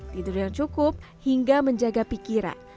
tidur yang cukup hingga menjaga pikiran